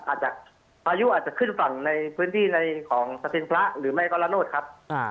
อาจจะพายุอาจจะขึ้นฝั่งในพื้นที่ในของสสิงพระหรือไม่ก็ละโนธครับ